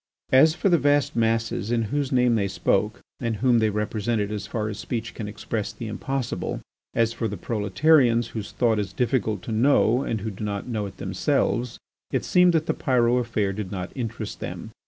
As for the vast masses in whose name they spoke and whom they represented as far as speech can express the impossible—as for the proletarians whose thought is difficult to know and who do not know it themselves, it seemed that the Pyrot affair did not interest them.